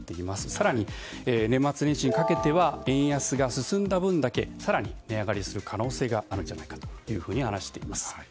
更に、年末年始にかけては円安が進んだ分だけ更に値上がりする可能性があるんじゃないかと話しています。